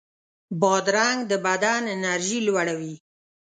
بادرنګ د بدن انرژي لوړوي.